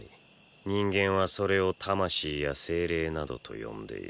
人間はそれを魂や精霊などと呼んでいる。